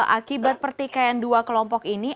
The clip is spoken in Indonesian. akibat pertikaian dua kelompok ini